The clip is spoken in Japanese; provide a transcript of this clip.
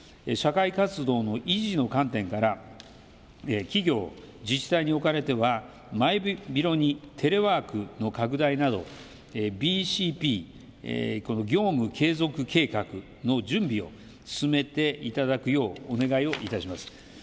社会活動の維持の観点から企業、自治体におかれては前広にテレワークの拡大などＢＣＰ・業務継続計画の準備を説明していただくようお願いいたします。